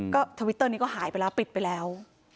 ก็ทวิตเตอร์นี้ก็หายไปแล้วปิดไปแล้ว